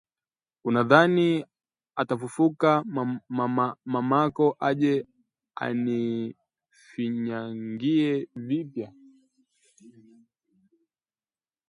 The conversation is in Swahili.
Unadhani atafufufuka mamako aje anifinyangie vipya!